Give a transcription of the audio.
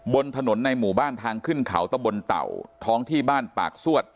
บนถนนในหมู่บ้านทางขึ้นเขาตะบนเต่าท้องที่บ้านปากซวด